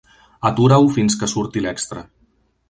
Atura-ho fins que surti l'extra.